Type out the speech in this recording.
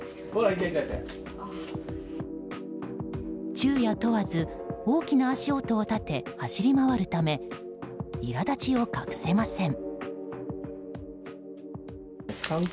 昼夜問わず大きな足音を立て走り回るため苛立ちを隠せません。